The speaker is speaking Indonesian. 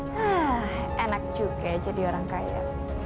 hah enak juga jadi orang kaya